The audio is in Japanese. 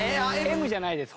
Ｍじゃないです